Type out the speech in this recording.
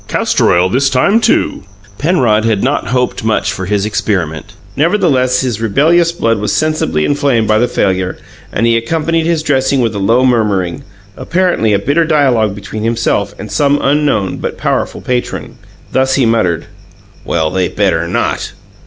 Castor oil, this time, too." Penrod had not hoped much for his experiment; nevertheless his rebellious blood was sensibly inflamed by the failure, and he accompanied his dressing with a low murmuring apparently a bitter dialogue between himself and some unknown but powerful patron. Thus he muttered: "Well, they better NOT!"